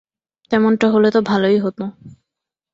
তেমনটা হলে তো ভালোই হতো।